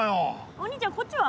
お兄ちゃんこっちは？